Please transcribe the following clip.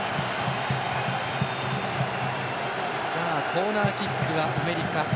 コーナーキックはアメリカ。